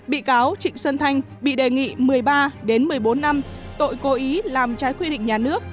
bị cáo trịnh xuân thanh bị đề nghị một mươi ba đến một mươi bốn năm tội cố ý làm trái quy định nhà nước